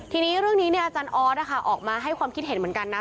ทีนี้เรื่องนี้อาจารย์ออสออกมาให้ความคิดเห็นเหมือนกันนะ